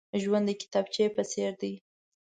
ژوند د کتابچې په څېر دی.